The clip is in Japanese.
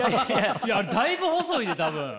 いやだいぶ細いで多分。